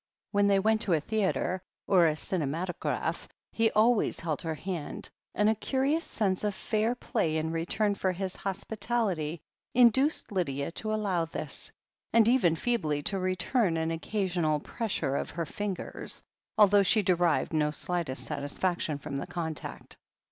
When they went to a theatre or a cinematograph, he always held her hand,^ and a curious sense of fair play in return for his hospitality induced Lydia to allow this, and even feebly to return an occasional pressure of her fingers, although she derived no slightest satisfaction from the contact.